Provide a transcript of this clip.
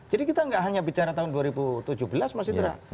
jadi kita tidak hanya bicara tahun dua ribu tujuh belas mas indra